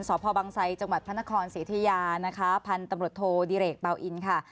สพบังไซจังหวัดพศิษยาพันธ์ตำรวจโทดิเรกเปล่าอินทร์ค่ะ